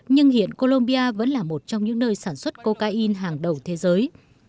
nhưng hiện colombia vẫn là một trong những nơi sản xuất cocaine hàng đầu thế giới